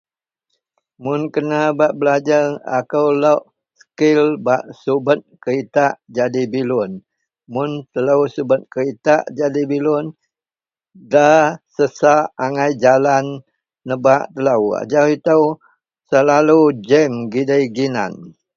Mun kena bak belajar ako lok skill bak subat kereta jadi bilun mun telo subet kereta jadi bilun da sesak angai jalan, nebak telo ajau ito jam gidei ginan.